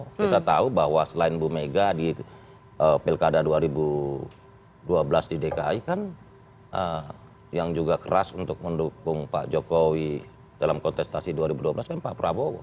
kita tahu bahwa selain bu mega di pilkada dua ribu dua belas di dki kan yang juga keras untuk mendukung pak jokowi dalam kontestasi dua ribu dua belas kan pak prabowo